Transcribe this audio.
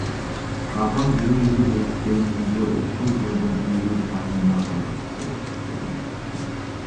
Казак бийлиги бул келишимге ушул жылдын июль айында гана кол койду.